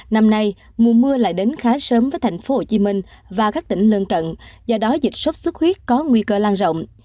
năm nay mùa mưa lại đến khá sớm với tp hcm và các tỉnh lân cận do đó dịch sốt xuất huyết có nguy cơ lan rộng